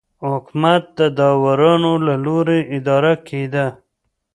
حکومت د داورانو له لوري اداره کېده.